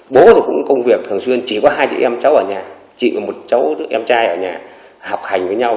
bố rồi cũng công việc thường xuyên chỉ có hai chị em cháu ở nhà chị một cháu em trai ở nhà học hành với nhau